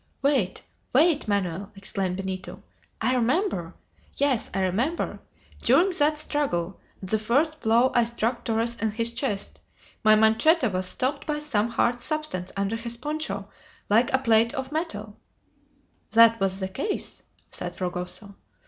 "Wait! wait, Manoel!" exclaimed Benito; "I remember yes, I remember. During the struggle, at the first blow I struck Torres in his chest, my manchetta was stopped by some hard substance under his poncho, like a plate of metal " "That was the case!" said Fragoso.